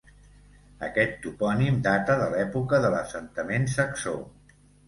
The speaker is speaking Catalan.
Aquest topònim data de l'època de l'assentament saxó.